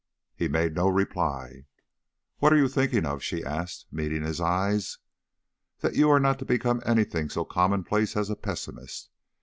He made no reply. "What are you thinking of?" she asked, meeting his eyes. "That you are not to become anything so commonplace as a pessimist.